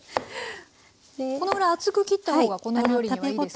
このぐらい厚く切った方がこの料理にはいいですか？